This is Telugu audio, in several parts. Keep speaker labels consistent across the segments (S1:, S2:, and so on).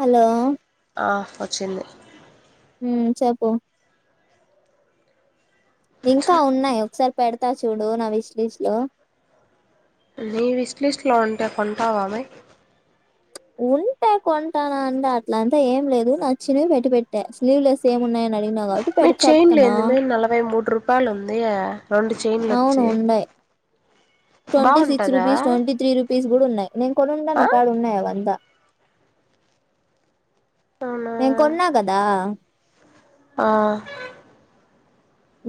S1: హలో
S2: మా చెల్లె
S1: ఉ చెప్పు ఇంకా ఉన్నాయి ఒకసారి పెడతా చూడు నా విష్లీస్ట్ లో
S2: నీ విస్ లిస్ట్లో ఉంటే కొంటావామె
S1: ఉంటే కొంటానా అంటే అట్లంతా ఏం లేదు నచ్చినవి పెట్టి పెట్టా స్లీవ్లెస్ ఏమిన్నాయని అడిగిన
S2: మీ చైన్లేందిమే నలభై మూడు రూపాయలు ఉంది రెండు
S1: అవును
S2: చేన్లోవచ్చి
S1: ఉండయి twenty six rupees twenty three rupees కూడా ఉన్నాయి నేను కొనున్న
S2: ఆ
S1: నాకాడ ఉన్నాయి అవంతా
S2: అవునా
S1: నేను కొన్నా కదా
S2: ఆ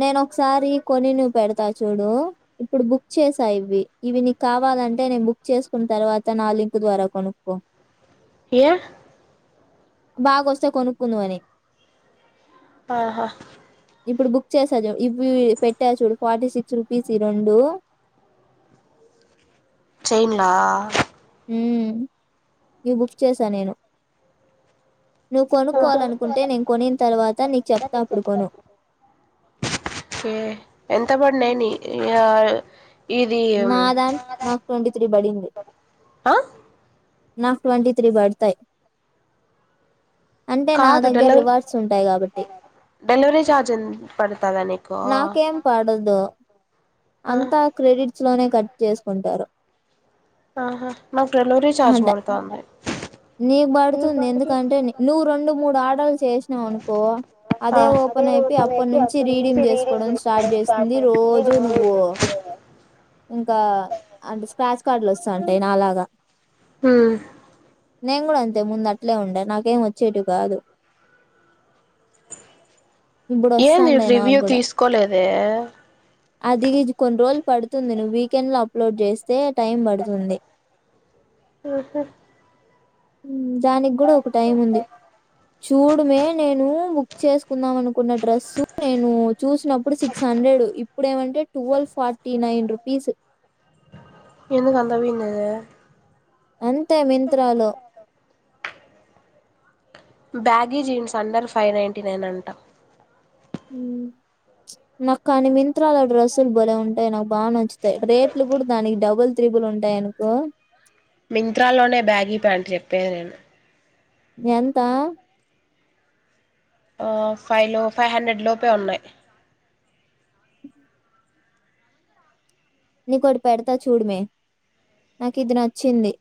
S1: నేను ఒకసారి కొని నువ్వు పెడతా చూడు ఇప్పుడు బుక్ చేసా ఇవి ఇవి నీకు కావా వాలంటే నేను బుక్ చేసుకున్న తర్వాత నా లింక్ ద్వారా కొనుక్కో
S2: ఏ
S1: బాగా వస్తే కొనుక్కుందువని
S2: ఆహా
S1: చేసా చూ ఇవి పెట్టా చూడు ఫార్టీ సిక్స్ రూపీస్ ఈ రెండు [inaudible]
S2: ఇండ్ల
S1: ఇవి బుక్ చేసా నేను నువ్వు కొనుక్కోవాలనుకుంటే నేను కొనిన తర్వాత నీకు చెప్తా అప్పుడు కొను
S2: ఓకే ఎంత పడినాయని
S1: మాదా నాకు ట్వంటీ త్రీ బడింది
S2: ఆ
S1: నాకు ట్వంటీ త్రీ పడతాయి అంటే నా దగ్గర రివార్డ్స్ ఉంటాయి కాబట్టి
S2: డెలివరి చార్జ్ పడతదా నీకో
S1: నాకేం పడదు అంతా క్రెడిట్స్ లోనే కట్ చేసుకుంటారు
S2: ఆహా నాకు డలివరీ చార్జ్
S1: అంట
S2: పడతాంది
S1: నీకు పడుతుంది ఎందుకంటే నువ్వు రెండు మూడు ఆర్డర్లు చేసినావనుకో అదే ఓపెన్ అయిపో అప్పటి నుంచి రీడమ్ చేసుకోవడం స్టార్ట్ చేస్తుంది రోజు నువ్వు ఇంకా అంటే స్క్రాచ్ కార్డులు వస్తా ఉంటాయి నాలాగా
S2: ఉ
S1: నేను కూడా అంతే ముందు అట్లే ఉండ నాకేం వచ్చేట్ కాదు ఇప్పుడు
S2: ఏంది
S1: వస్తాండయి నాకు
S2: రివ్యూ
S1: కూడా
S2: తీసుకోలేదే
S1: అది కొన్ని రోజులు పడుతుంది నువ్వు వీకెండ్ లో అప్లోడ్ చేస్తే టైం పడుతుంది దానిక్ గూడా ఒక టైం ఉంది చూడుమే నేను బుక్ చేసుకుందాం అనుకున్న డ్రస్సు నేను చూసినప్పుడు సిక్స్ హండ్రెడ్ ఇప్పుడేమంటే ట్వల్వ్ ఫార్టీ నైన్ రూపీస్
S2: ఎందుకంతఅవ్విన్దది
S1: అంతే మింత్రా లో
S2: baggy jeans under five ninety nine అంట
S1: హ్మ్ నాక్ కానీ మింత్రాలో డ్రెస్సులు బలే ఉంటాయ్ నాకు బాగా నచ్చుతాయ్ రేట్లు కూడా దానికి డబుల్ త్రీ బులు ఉంటాయనుకో
S2: మింత్రాలోనే బ్యాగీ ప్యాంట్ చెప్పేది నేను
S1: ఎంతా
S2: ఆ ఫైవ్ లో ఫైవ్ హండ్రెడ్ లోపే ఉన్నాయ్
S1: నీకోటి పెడతా చూడమే నాకు ఇది నచ్చింది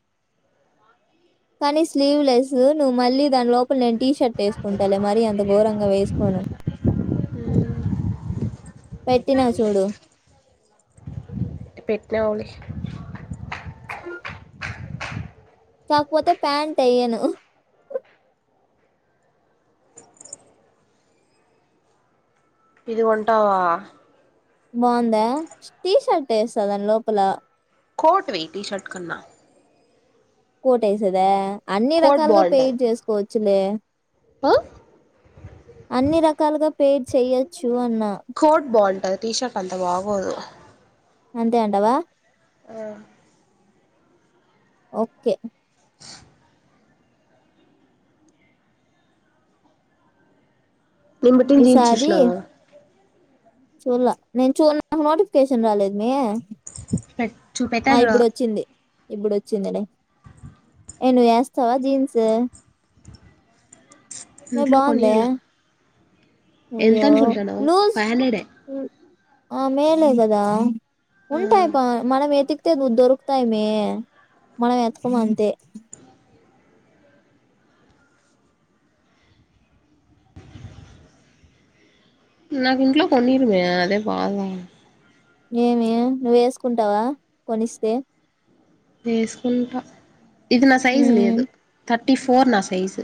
S1: కానీ స్లీవ్ లెస్సు నువ్వు మళ్ళీ దానిలో ఫులెన్ టీ షర్ట్ ఎస్కుంటాలే మరీ అంత ఘోరంగా వేసుకోను
S2: హ్మ్
S1: పెట్టినా చూడు
S2: పెట్ట్నావులే
S1: కాకపోతే ప్యాంట్ ఎయ్యను
S2: ఇది కొంటావా
S1: బావుందా టీషర్ట్ ఎసా దాని లోపల
S2: కోర్ట్ వేయ్ టీషర్ట్ కన్నా
S1: కోటుఎసేదా అన్ని
S2: కోట్
S1: రకాలుగా పేర్ జేస్కోవచ్చులే
S2: ఆహ్!
S1: అన్ని రకాలుగా పేర్ చెయ్యచ్చు అన్నా
S2: క్కోట్ బావుంటది టీషర్ట్ అంతా బాగోదు
S1: అంతే అంటవా
S2: ఆ
S1: ఓకే
S2: నేన్ బెట్టిన జీన్స్ చూసినవా
S1: చూడ్లే నేను చూన్నకి నోటిఫికేషన్ రాలేద్మీ
S2: చూపెట్టా
S1: ఆ
S2: చూడు
S1: ఇప్పుడు వచ్చింది ఇప్పుడొచ్చింది ఏ నువ్వు ఎస్తావా జీన్స్ మే
S2: ఇంట్లో
S1: బాగుందే
S2: కొనీల్ల
S1: అయ్యో లూజ్
S2: ఫైవ్ హండ్రెడే
S1: ఆ మేలే గదా
S2: ఆ,
S1: ఉంటాయ్ పా మనం ఎతి తేగు దొరుకుతాయ్ మే మనం ఎతకమ్ అంతే
S2: నాకు ఇంట్లో కొనీరూమే అదే భాద
S1: ఏమి నువ్వు ఎస్కుంటావా కొనిస్తే
S2: వేసుకుంటా ఇది నా సైజు
S1: ఉమ్
S2: లేదు థర్టీ ఫోర్ నా సైజు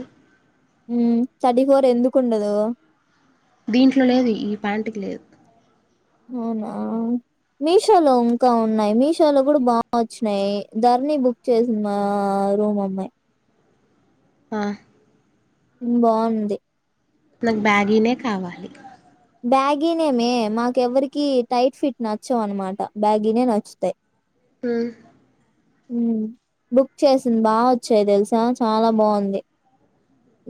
S1: థర్టీ ఫోర్ ఎందుకుండదు
S2: దీంట్లో లేదు ఈ ప్యాంట్కి లేదు
S1: అవునా మీషో లో ఇంకా ఉన్నాయ్ మీషో లో కూడా బా వచ్చినాయి ధర్నీ బుక్ చేసింది మా మా రూమ్మమ్మాయ్
S2: అ
S1: బాంది
S2: నాకు బ్యాగీనే కావాలి
S1: బ్యాగీనేమే మాకు ఎవ్వరికి టైట్ ఫిట్ నచ్చవు అనమాట బ్యాగినే నచ్చుతాయి
S2: ఆ
S1: బుక్ చేసింది బా వచ్చాయి తెలుసా చాలా బాగుంది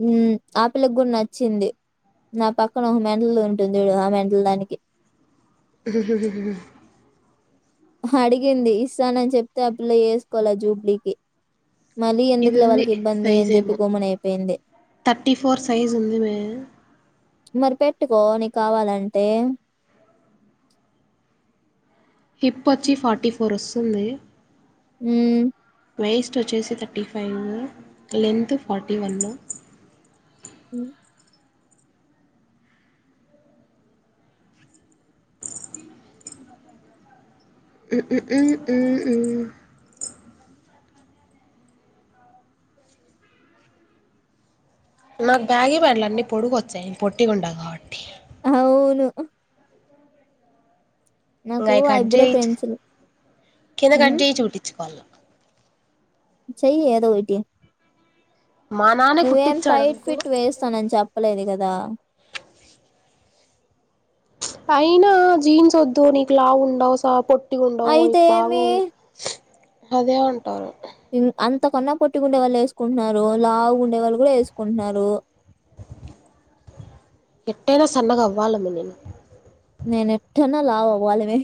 S1: ఉ ఆ పిల్ల కూడా నచ్చింది నా పక్కన ఒక మెంటల్ ఉంటుంది చూడు ఆ మెంటల దానికి
S2: [unintelligible]
S1: అడిగింది ఇస్తానని చెప్తే ఆ పిల్ల ఏసుకోలే జూబ్లీకి మళ్ళీ
S2: ఇది
S1: ఎందుకులే
S2: ఉంది
S1: వాళ్ళకి ఇబ్బంది
S2: సైజ్
S1: అని చెప్పి
S2: ఏమో
S1: గోమన అయిపోయింది
S2: థర్టీ ఫోర్ సైజు ఉందిమే
S1: మరి పెట్టుకో నీక కావాలంటే
S2: హిప్ వచ్చి ఫార్టీ ఫోర్ వస్తుంది
S1: మ్మ్
S2: వేస్ట్ వచ్చేసి thirty five length forty one
S1: మ్
S2: మ్మ్ నాకు బ్యాగ ప్యాండ్లు అన్నీ పొడుకొచ్చాయి పొట్టి ఉం కాబట్టి
S1: అవును
S2: ఇంక
S1: నాకు
S2: అయి కడ్
S1: ఐబ్రో
S2: చేయి
S1: పెన్సిల్
S2: కింద కట్జ
S1: హ్మ్
S2: చేయిచి చూపించుకోలా
S1: చెయ్య ఏదోకటి
S2: మా నాన్నే
S1: నువ్వేం
S2: కుట్టిచ్చాడు
S1: టైట్
S2: అనుకో
S1: ఫిట్ వేస్తానని చెప్పలేదు కదా
S2: అయినా జీన్స్ వద్దు నీకు లా ఉండవు స పొట్ ఇట్టిగా
S1: అయితే
S2: ఉండవుకు బాగు
S1: ఏమి
S2: అదే అంటారు
S1: అంతకన్నా పొట్టిగుండే వాళ్ళు వేసుకుంటున్నారు లావుగుండే వాళ్ళు కూడా వేసుకుంటున్నారు
S2: ఎటైనా సన్నగా అవ్వాలము నేను
S1: నేను ఎటైనా లావు అవ్వాలిమే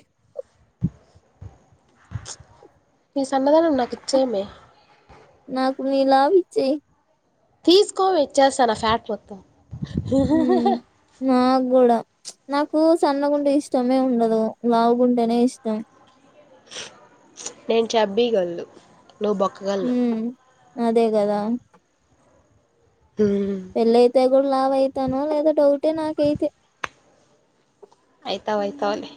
S2: నీ సన్నదానం నాకు ఇచ్చేయమే
S1: నాకు నీ లావు ఇచ్చేయ్
S2: తీసుకోవే ఇచ్చేస్తాను ఫ్యాట్ మొత్తం
S1: ఉ నాకూడా నాకు సన్న గుండె ఇష్టమే ఉండదు లావు గుంటెనే ఇష్టం
S2: నేను చబీగల్లు నువ్వు బొక్కగలు
S1: హ్మ్ అదే కదా
S2: హ్మ్
S1: పెళ్ళయితే కూడా లావ అయితాను లేదా డౌటే నాకైతే
S2: అయితావ్ అయితవ్ లే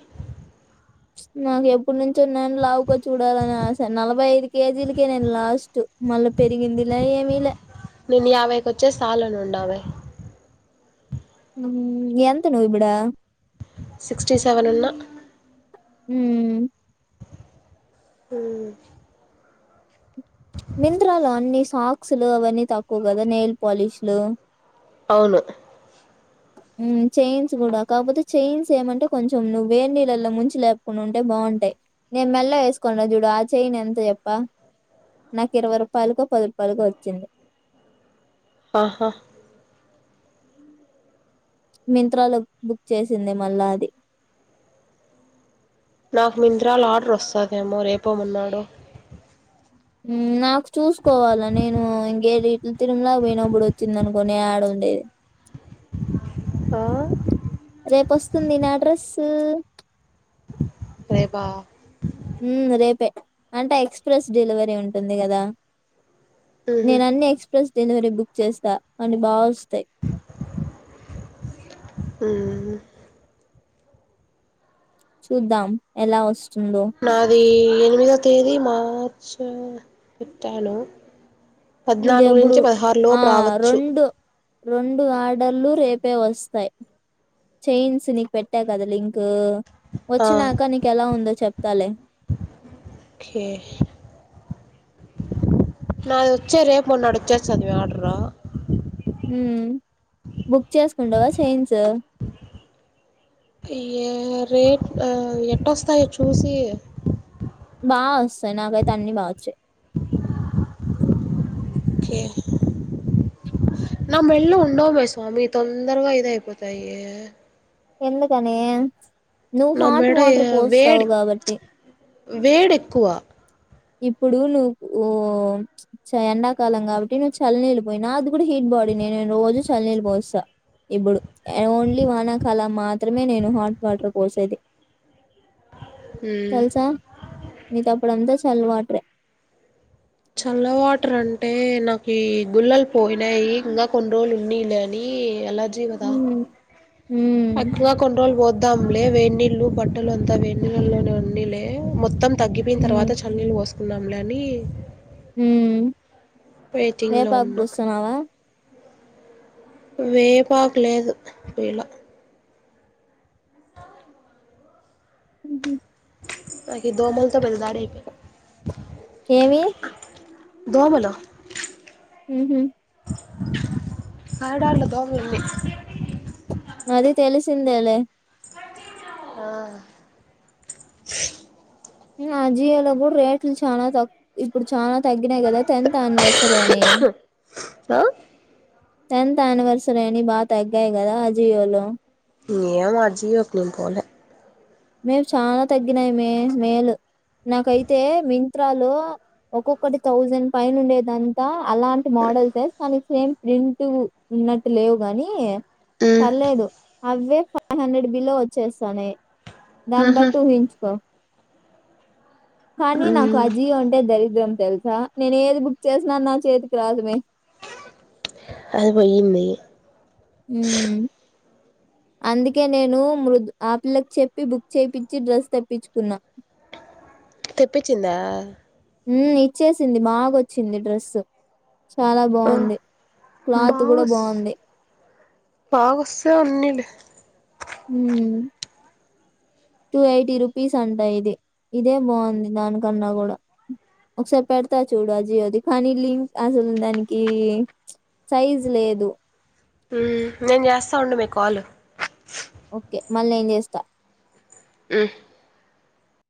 S1: నాకే ఏప ఇడు నుంచి ఉన్నాను లావుకో చూడాలని ఆశ నలభై ఐదు కేజీలకే నేను లాస్ట్ మళ్ళ పెరిగింది లే ఏమి లే
S2: నేను యాభైకి వచ్చే సాలును ఉం
S1: ఉమ్ ఎంత నువ్వు ఇప్పుడ
S2: సిక్స్టీ సెవెన్ ఉన్నా
S1: మ్
S2: ఉ
S1: నింత్రాలు అన్ని సాక్స్లు అవన్నీ తక్కువ కదా నెయిల్ పాలిష్లు
S2: అవును
S1: చైన్స్ కూడా కాకపోతే చైయిన్స్ ఏమంటే కొంచెం నువ్వు వేర్ నీళ్ళలో ముంచి లేపుకుండా ఉంటే బాగుంటాయి నేను మెల్ల వేసుకోను చూడు ఆ చెయని ఎంత చెప్ప నాకు ఇరవై రూపాయలుగా పది రూపాయలుగా వచ్చింది
S2: ఆహా
S1: మింత్రాలో బుక్ చేసింది మళ్ళా అది
S2: నాకు మిత్ర లో ఆర్డర్ వస్తుందేమో రేపో మనడో
S1: ఉమ్ నాకు లు తిరులాగా వినప్పుడ వచ్చింది అనుకునే ఆడ ఉండేది
S2: ఆ
S1: రేపు వస్తుంది నా అడ్రస్
S2: రేపా
S1: ఉహ్ రేపే అంటే ఎక్స్ప్రెస్ డెలివరీ ఉంటుంది కదా
S2: ఉహు
S1: నేను అన్ని ఎక్స్ప్రెస్ డెలివరీ బుక్ చేస్తా అని బాగా వస్తాయి
S2: ఉహు
S1: చూద్దాం ఎలా వస్తు
S2: నాది ఎనిమిదివ తేదీ మార్చ్ పెట్టాను
S1: ఇది
S2: పద్నాలుగు
S1: ఎప్పుడు
S2: నుంచి పదహారులో
S1: ఆ
S2: రావచ్చు
S1: రెండు రెండు ఆర్డర్లు రేపే వస్తాయి చైన్స్ నీకు పెట్టా కదా లింక్
S2: ఆ
S1: వచ్చినాక నీకు ఎలా ఉందో చెప్తాలే
S2: ఓకే నాది వచ్చే రేపు మన్నాడు వచ్చే అదివి ఆర్డరా
S1: ఉ బుక్ చేసుకుంటావా చేయించ
S2: ఏ రేట్ ఎట్లావస్తాయో చూసి
S1: బా వస్తాయి నాకైతే అన్ని బాగా వచ్చాయి
S2: కే నా మెళ్ళ ఉండమే స్వామి తొందరగా ఇద అయిపోతాయి
S1: ఎందుకని నువ్వు
S2: నా
S1: హాట్
S2: మెడ
S1: వాటర్ పోస్తావు
S2: వేడి
S1: కాబట్టి
S2: వేడి ఎక్కువ
S1: ఇప్పుడు నువ్వు ఓ చ ఎండాకాలం కాబట్టి నువ్వు చల్లి నీళ్లు పోయిన అది ఇప్పుడు హిట్ బాడీ నేను రోజు చల్ నీళ్లు పోస్తా ఇప్పుడు ఓన్లీ వానాకాలం మాత్రమే నేను హాట్ వాటర్ పోసేది
S2: ఉమ్
S1: తెలుసా నీ తప్పుడంతా చలవాట్రే
S2: హలో వాటర్ అంటే నాకు గుళ్ళలు పోయినాయి ఇంకా కొన్ని రోజులు ఉన్నా లేని అలా జీవ వదా
S1: హ్మ్ హ్మ్
S2: అక్క కొండ్రోల్ పోద్దాం లే వేడినీళ్లు బట్టలు అంతా వేన్నిళ్లో మొత్తం తగ్గిపోయిన
S1: హ్మ్
S2: తర్వాత చల్ నీళ్ళ పోస్త కున్నాంలని
S1: హు
S2: లో
S1: వేపాకు
S2: ఉన్నా
S1: పుస్తున్నావా
S2: వేపాకు లేదు ఇలా
S1: ఉహు
S2: నాకి దోమలుతో పెద్ద దాడే
S1: ఏమి
S2: దోమల
S1: ఉహు
S2: ఆడాలదా దోమలు
S1: తేలే
S2: ఆ
S1: ఆజియలో కూడా రేట్లు చాల తక్కువ ఇప్పుడు చల తగ్గినాయి కదా టెన్త్ అనివర్సరీ అని
S2: ఆ
S1: టెన్త్ ఆనివర్సరీ అని బాగా తగ్గాయి కదా అ జియో లో
S2: ఏమో జియో పోలే
S1: మేము చాలా తగ్గినాయి మే మేలు నాకైతే వింత్రా లో ఒక్కొక్కటి థౌజండ్ పైన ఉండేదంతా అలాంటి మోడల్స్ వే కానికి సేమ్ ప్రింట్ ఉన్నట్టు లేవు గాని పర్లేదు అవే ఫైవ్ హండ్రెడ్ బిలో వచ్చేస్తానే
S2: ఉమ్
S1: దాని
S2: ఉహు
S1: బాటు ఊహించుకో కానీ నాకు
S2: ఉమ్
S1: అజీ అంటే దరిద్రం తెలుసా నేను ఏది బుక్ చేసినా నా చేతికి రాసమే
S2: అది పోయింది
S1: హుమ్మ్ అందుకే నేను మృద్ ఆ పిల్లకు చెప్పి బుక్ చేయిించి డ్రెస్ తెప్పించుకున్నా
S2: తెప్పించిందా
S1: హుమ్మ్ ఇచ్చేసింది బాగాొచ్చింది డ్రెస్ చాలా
S2: ఆ
S1: బాగుంది క్లాత్ కూడా బాగుంది
S2: బాగోస్తే ఉన్నిలే
S1: హుమ్మ్ టూ ఎయిటీ రూపీస్ అంటా ఇది ఇదే బాగుంది దానికన్నా కూడా ఒకసారి పెడతా చూడు ఆజి అది కానీ లింక్ అసలు దానికి సైజ్ లేద్ దు
S2: హు నేను చేస్తా ఉండమ్మి కాల్
S1: ఓకే మళ్ళీ నిన్ చేస్తా
S2: మ్